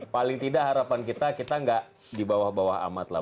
paling tidak harapan kita kita nggak di bawah bawah amat lah